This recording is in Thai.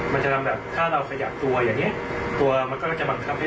มันจะทำแบบถ้าเราขยับตัวอย่างเงี้ยตัวมันก็จะบังคับให้